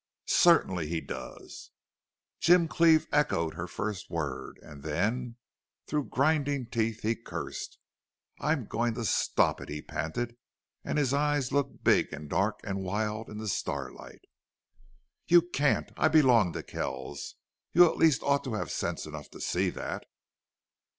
"Certainly he does." Jim Cleve echoed her first word, and then through grinding teeth he cursed. "I'm going to stop it!" he panted, and his eyes looked big and dark and wild in the starlight. "You can't. I belong to Kells. You at least ought to have sense enough to see that."